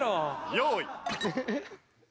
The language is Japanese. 用意。